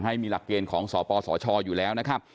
ให้มีหลักเกณฑ์ของศพศชอยู่แล้ว